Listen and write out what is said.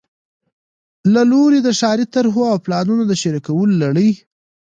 له لوري د ښاري طرحو او پلانونو د شریکولو لړۍ